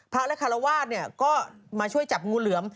พระและคารวาสก็มาช่วยจับงูเหลือม